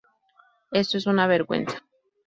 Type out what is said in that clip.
Esto es una vergüenza.